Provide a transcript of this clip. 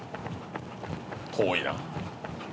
「遠いなぁ」